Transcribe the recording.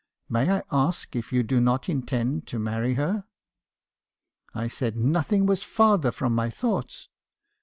May I ask if you do not intend to marry her?' " I said nothing was farther from my thoughts.